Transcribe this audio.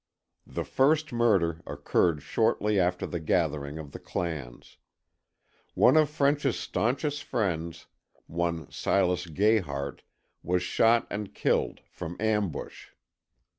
The first murder occurred shortly after the gathering of the clans. One of French's staunchest friends, one Silas Gayhart, was shot and killed from ambush.